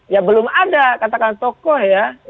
ya belum ada katakan tokoh ya